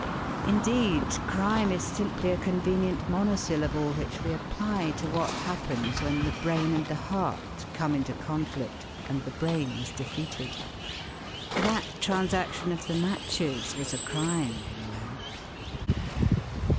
Indeed, crime is simply a convenient monosyllable which we apply to what happens when the brain and the heart come into conflict and the brain is defeated. That transaction of the matches was a crime, you know.